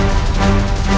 aku akan menangkapmu